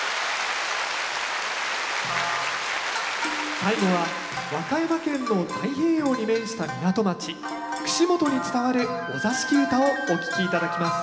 最後は和歌山県の太平洋に面した港町串本に伝わるお座敷唄をお聴き頂きます。